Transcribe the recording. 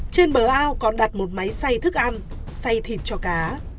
trên bờ ao còn đặt một máy xay thức ăn say thịt cho cá